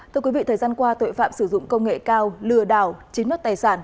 thưa quý vị thời gian qua tội phạm sử dụng công nghệ cao lừa đảo chiếm đất tài sản